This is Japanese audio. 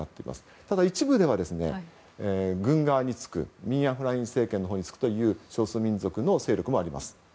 ただ一部では軍側につくミン・アウン・フライン政権のほうにつく少数民族勢力もいます。